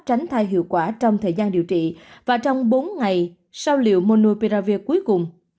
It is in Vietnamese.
tránh thai hiệu quả trong thời gian điều trị và trong bốn ngày sau liệu monopiravir cuối cùng